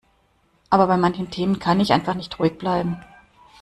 Aber bei manchen Themen kann ich einfach nicht ruhig bleiben.